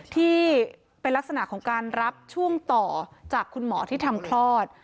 ที่เป็นลักษณะของการรับช่วงต่อจากคุณหมอที่ทำคลอด